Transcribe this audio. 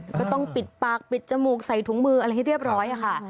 ก็ต้องปิดปากปิดจมูกใส่ถุงมืออะไรให้เรียบร้อยค่ะ